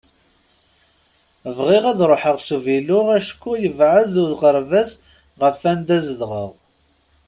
Bɣiɣ ad ruḥeɣ s uvilu acku yebεed uɣerbaz ɣef anda zedɣeɣ.